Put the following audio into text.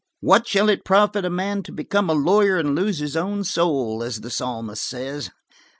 "'What shall it profit a man to become a lawyer and lose his own soul?' as the psalmist says.